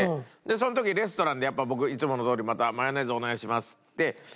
その時レストランでやっぱ僕いつものとおりまた「マヨネーズお願いします」っつって。